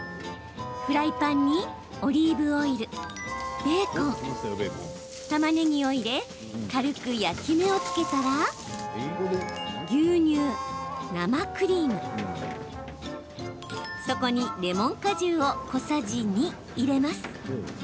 フライパンにオリーブオイルベーコン、たまねぎを入れ軽く焼き目をつけたら牛乳、生クリームそこにレモン果汁を小さじ２入れます。